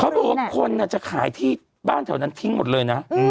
บอกว่าคนจะขายที่บ้านแถวนั้นทิ้งหมดเลยนะ